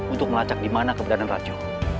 untuk melacak di mana keberadaan racu